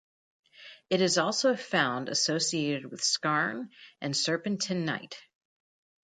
It is also found associated with skarn and serpentinite.